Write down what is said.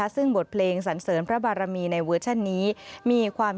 ซึ่งบทเพลงสันเสริญพระบารมีในเวอร์ชันนี้มีความ